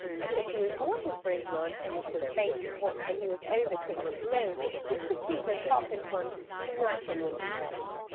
"So, to reward him for his run (As it was baking hot, And he was over twenty stone), The King proceeded, half in fun, To knight him on the spot."